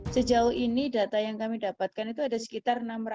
sejauh ini data yang kami dapatkan itu ada sekitar enam ratus